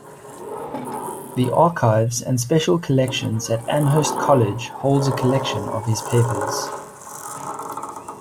The Archives and Special Collections at Amherst College holds a collection of his papers.